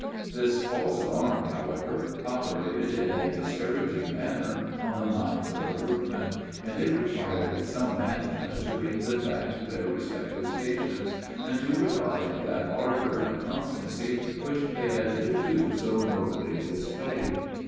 This false alarm, however, operated in a discouraging manner, on the minds of the workmen; and it required some management to bring them back to their respective stations, and to revive that ardor and constancy, which they had hitherto so nobly displayed.